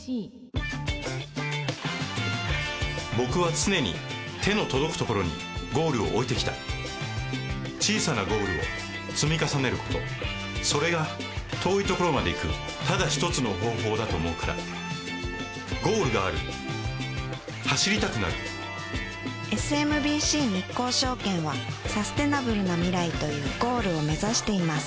僕は常に手の届くところにゴールを置いてきた小さなゴールを積み重ねることそれが遠いところまで行くただ一つの方法だと思うからゴールがある走りたくなるＳＭＢＣ日興証券はサステナブルな未来というゴールを目指しています